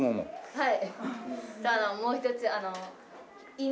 はい。